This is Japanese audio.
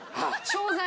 商材。